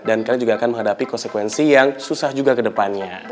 dan kalian juga akan menghadapi konsekuensi yang susah juga kedepannya